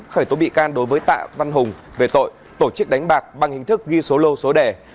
khởi tố bị can đối với tạ văn hùng về tội tổ chức đánh bạc bằng hình thức ghi số lô số đẻ